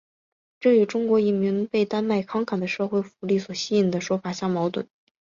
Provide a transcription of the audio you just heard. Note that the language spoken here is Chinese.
这与中国移民被丹麦慷慨的社会福利所吸引的说法相矛盾。